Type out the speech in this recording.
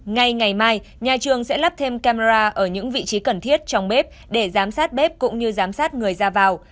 ngay ngày mai nhà trường sẽ lắp thêm camera ở những vị trí cần thiết trong bếp để giám sát bếp cũng như giám sát người ra vào